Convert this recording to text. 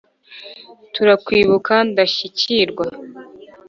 turakwibuka ndashyikirwa